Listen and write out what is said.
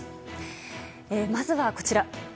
まずは、こちら。